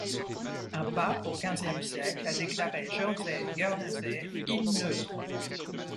Un pape, au quinzième siècle, a déclaré Jersey et Guernesey îles neutres.